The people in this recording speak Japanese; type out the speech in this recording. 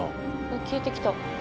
消えてきた。